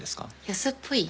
安っぽい？